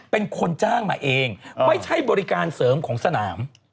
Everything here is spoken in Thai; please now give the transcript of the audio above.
เป็นคนจ้างมาเองไม่ใช่บริการเสริมของสนาม